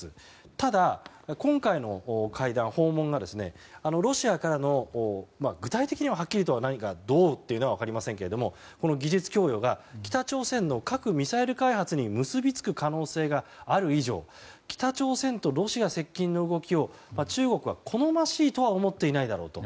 ただ、今回の会談・訪問はロシアからの具体的にはっきりとどうというのは分かりませんが技術供与が北朝鮮の核・ミサイル開発に結び付く可能性がある以上北朝鮮とロシア接近の動きを中国は好ましいとは思っていないだろうと。